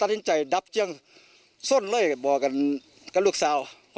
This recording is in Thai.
ต้องเรียนรับยังสุดเลยบอกกันพวกหนาวกรุต